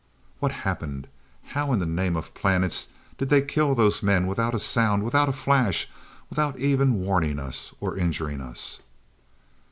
"What happened? How in the name of the planets did they kill those men without a sound, without a flash, and without even warning us, or injuring us?"